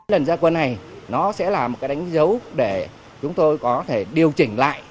lần ra qua này nó sẽ là một cái đánh dấu để chúng tôi có thể điều chỉnh lại